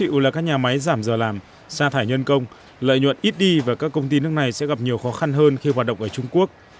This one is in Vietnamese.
dù là các nhà máy giảm giờ làm xa thải nhân công lợi nhuận ít đi và các công ty nước này sẽ gặp nhiều khó khăn hơn khi hoạt động ở trung quốc